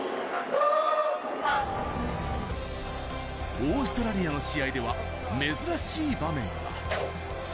オーストラリアの試合では珍しい場面が。